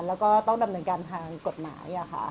แล้วก็ต้องดำเนินการทางกฎหมาย